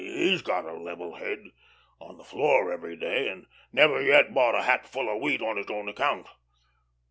He's got a level head. On the floor every day, and never yet bought a hatful of wheat on his own account.